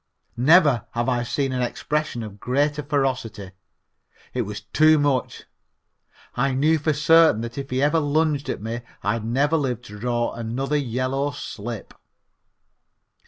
Never have I seen an expression of greater ferocity. It was too much. I knew for certain that if he ever lunged at me I'd never live to draw another yellow slip.